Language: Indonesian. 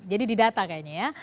jadi didata kayaknya ya